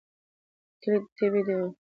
کلي د طبعي سیسټم توازن په پوره ډول ساتي.